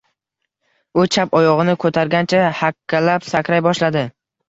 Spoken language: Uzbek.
U chap oyog‘ini ko‘targancha hakkalab sakray boshladi.